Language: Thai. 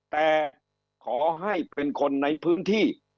แต่ขอให้เป็นคนในพื้นที่